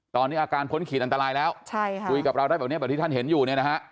ตอนนี้อาการพ้นขีดอันตรายแล้วคุยกับเราได้แบบนี้ที่ท่านเห็นอยู่